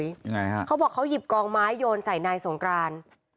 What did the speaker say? ยังไงฮะเขาบอกเขาหยิบกองไม้โยนใส่นายสงกราน